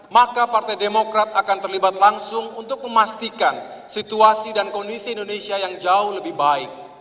maka partai demokrat akan terlibat langsung untuk memastikan situasi dan kondisi indonesia yang jauh lebih baik